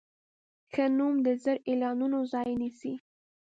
ښه نوم د زر اعلانونو ځای نیسي.